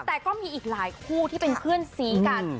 แต่ก็มีอีกหลายคู่ที่เป็นเพื่อนซีกัน